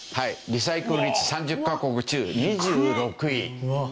リサイクル率３０カ国中２６位。